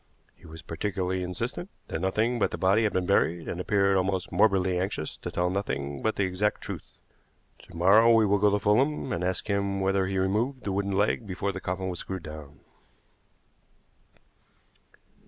He was particularly insistent that nothing but the body had been buried, and appeared almost morbidly anxious to tell nothing but the exact truth. To morrow we will go to Fulham and ask him whether he removed the wooden leg before the coffin was screwed down."